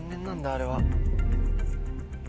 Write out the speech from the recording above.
あれは。